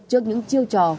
trước những chiêu trò